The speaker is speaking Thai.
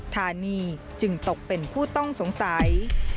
ธานีจึงตกเป็นผู้ต้องสงสัย